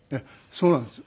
そうなんです。